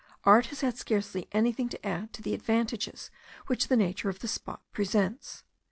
Art has had scarcely anything to add to the advantages which the nature of the spot presents.